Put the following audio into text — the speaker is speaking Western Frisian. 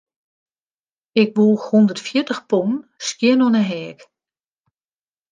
Ik woech hûndertfjirtich pûn skjin oan 'e heak.